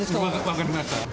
分かりました。